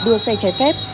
đưa xe trái phép